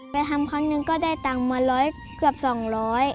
ไปทำครั้งหนึ่งก็ได้ตังค์มาร้อยเกือบสองร้อย